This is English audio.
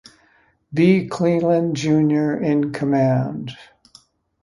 B. Cleland, Junior in command.